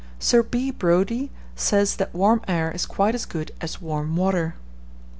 Sir B. Brodie says that warm air is quite as good as warm water.